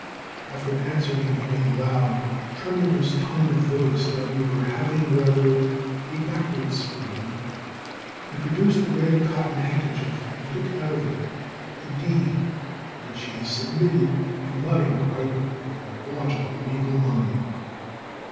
After answering in a loud, tremulous tone of voice that we were having rather a backward spring, he produced a red cotton handkerchief and took out of it a deed which he submitted to my ripe and logical legal mind.